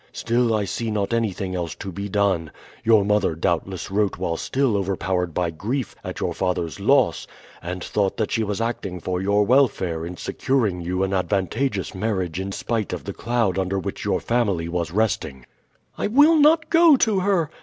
Still I see not anything else to be done. Your mother doubtless wrote while still overpowered by grief at your father's loss, and thought that she was acting for your welfare in securing you an advantageous marriage in spite of the cloud under which your family was resting." "I will not go to her!"